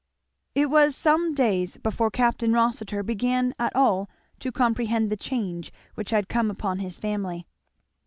It was some days before Capt. Rossitur began at all to comprehend the change which had come upon his family.